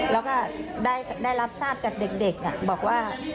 แล้วก็ได้รับทราบจากเด็กบอกว่า